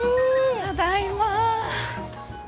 ただいま。